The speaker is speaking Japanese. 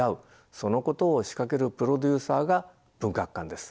そのことを仕掛けるプロデューサーが文学館です。